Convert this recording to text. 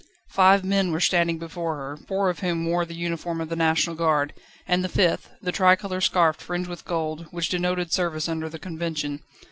Five men were standing before her, four of whom wore the uniform of the National Guard, and the fifth, the tricolour scarf fringed with gold, which denoted service under the Convention.